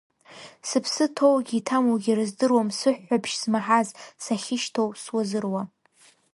Сыԥсы ҭоугьы иҭамугьы рыздыруам сыҳәҳәабжь змаҳаз, сахьышьҭоу суазыруа.